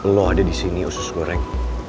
lo ada disini usus goreng